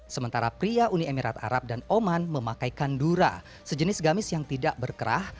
sementara pria uni emirat arab dan oman memakai kandura sejenis gamis yang tidak berkerah